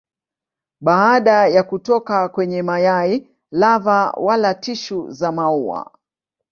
Baada ya kutoka kwenye mayai lava wala tishu za maua.